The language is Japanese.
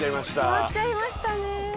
終わっちゃいましたね。